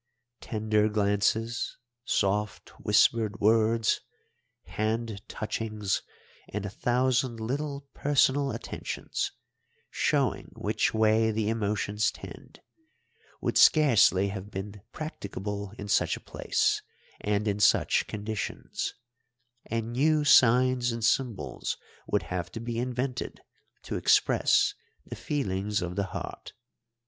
Tender glances, soft whispered words, hand touchings, and a thousand little personal attentions, showing which way the emotions tend, would scarcely have been practicable in such a place and in such conditions, and new signs and symbols would have to be invented to express the feelings of the heart.